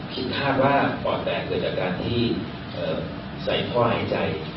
คาดว่าปอดแตกเกิดจากการที่ใส่ท่อหายใจ